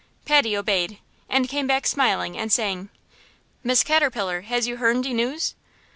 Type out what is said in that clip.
Patty obeyed, and came back smiling and saying: "Miss Caterpillar, has you hern de news?"